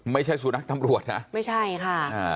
ไม่ใช่สุนัขตำรวจนะไม่ใช่ค่ะอ่า